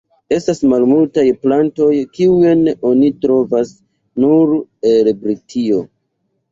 Estas malmultaj plantoj kiujn oni trovas nur en Britio.